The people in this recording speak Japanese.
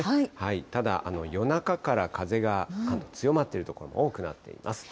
ただ夜中から風がかなり強まっている所も多くなっています。